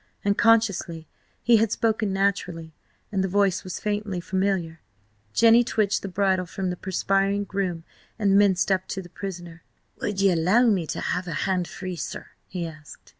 Unconsciously, he had spoken naturally, and the voice was faintly familiar. Jenny twitched the bridle from the perspiring groom and minced up to the prisoner. "Would ye allow me to have a hand free–sir?" he asked.